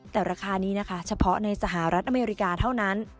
แต่ราคานี้นะคะเฉพาะในสหรัฐอเมริกาเท่านั้น